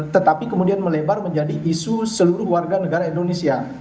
tetapi kemudian melebar menjadi isu seluruh warga negara indonesia